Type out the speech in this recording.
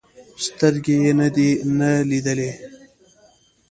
سترګې يې نه لیدلې.